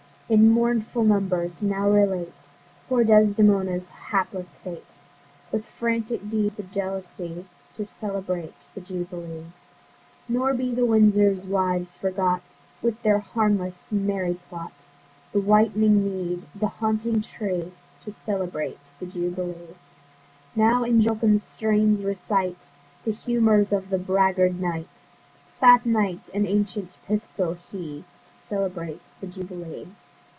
In mournful numbers now relate Poor Desdemona's hapless fate, With frantic deeds of jealousy, To celebrate the Jubilee. Nor be Windsor's Wives forgot, With their harmless merry plot, The whitening mead, and haunted tree, To celebrate the Jubilee. Now in jocund strains recite The humours of the braggard Knight, Fat Knight, and ancient Pistol he, To celebrate the Jubilee.